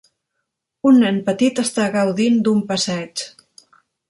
Un nen petit està gaudint d'un passeig.